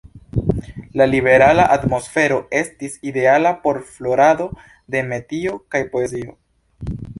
La liberala atmosfero estis ideala por florado de metio kaj poezio.